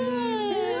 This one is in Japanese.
うわ！